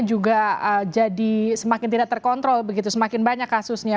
juga jadi semakin tidak terkontrol begitu semakin banyak kasusnya